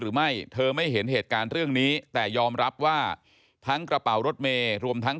หรือไม่เธอไม่เห็นเหตุการณ์เรื่องนี้แต่ยอมรับว่าทั้งกระเป๋ารถเมย์รวมทั้ง